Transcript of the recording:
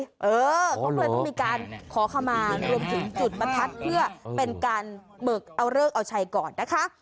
เขาก็เลยต้องมีการขอขมารวมถึงจุดประทัดเพื่อเป็นการเบิกเอาเลิกเอาชัยก่อนนะคะ